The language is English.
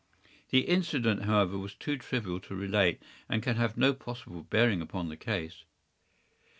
The incident, however, was too trivial to relate, and can have no possible bearing upon the case.